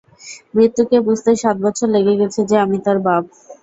মৃত্যুকে বুঝাতে সাত বছর লেগে গেছে যে, আমি তার বাপ।